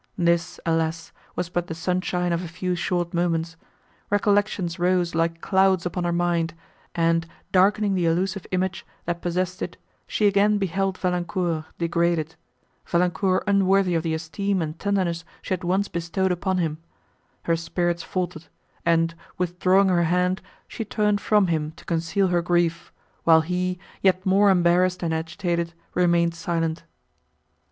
This, alas! was but the sunshine of a few short moments; recollections rose, like clouds, upon her mind, and, darkening the illusive image, that possessed it, she again beheld Valancourt, degraded—Valancourt unworthy of the esteem and tenderness she had once bestowed upon him; her spirits faltered, and, withdrawing her hand, she turned from him to conceal her grief, while he, yet more embarrassed and agitated, remained silent.